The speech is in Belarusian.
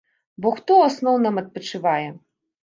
Бо хто ў асноўным адпачывае?